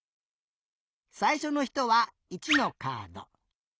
さいしょのひとは１のカード。